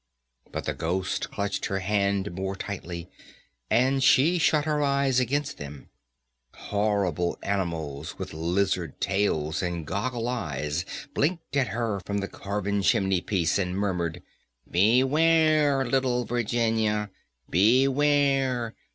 but the ghost clutched her hand more tightly, and she shut her eyes against them. Horrible animals with lizard tails and goggle eyes blinked at her from the carven chimneypiece, and murmured, "Beware! little Virginia, beware!